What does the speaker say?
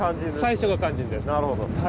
最初が肝心です。